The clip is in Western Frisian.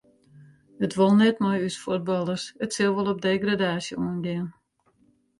It wol net mei ús fuotballers, it sil wol op degradaasje oangean.